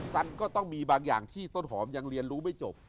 สันก็ต้องมีบางอย่างที่ต้นหอมยังเรียนรู้ไม่จบ